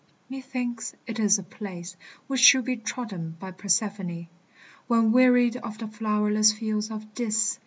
methinks it is a place Which should be trodden by Persephone When wearied of the flowerless fields of Dis